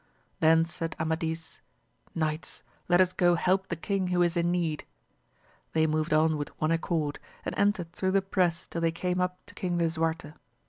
Then said Amadis, Knights, let us go help the king who is in need ; they moved on with one accord, and entered through the press till they came up to King Lisuarte.